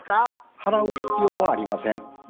払う必要はありません。